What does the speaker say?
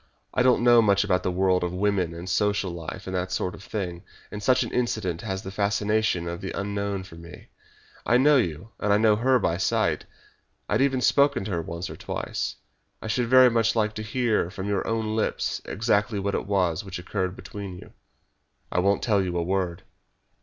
I don't know much about the world and women and social life and that sort of thing, and such an incident has the fascination of the unknown for me. I know you, and I knew her by sight I had even spoken to her once or twice. I should very much like to hear from your own lips exactly what it was which occurred between you." "I won't tell you a word."